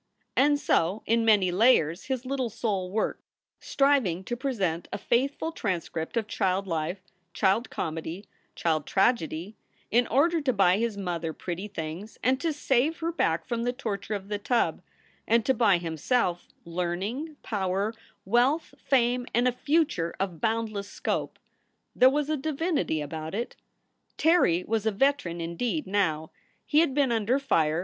And so in many layers his little soul worked, striving to present a faithful transcript of child life, child comedy, child tragedy, in order to buy his mother pretty things and to save her back from the torture of the tub, and to buy himself learning, power, wealth, fame, and a future of bound less scope. There was a divinity about it. Terry was a veteran indeed now. He had been under fire.